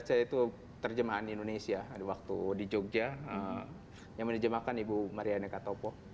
saya baca itu terjemahan indonesia waktu di jogja yang menerjemahkan ibu marianne katopo